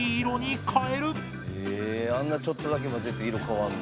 えあんなちょっとだけ混ぜて色変わんの？